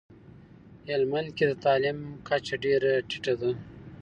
هلمندکي دتعلیم کچه ډیره ټیټه ده